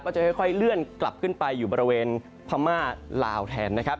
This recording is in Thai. จะค่อยเลื่อนกลับขึ้นไปอยู่บริเวณพม่าลาวแทนนะครับ